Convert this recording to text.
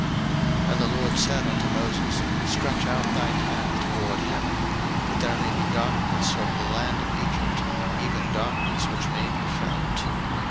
02:010:021 And the LORD said unto Moses, Stretch out thine hand toward heaven, that there may be darkness over the land of Egypt, even darkness which may be felt.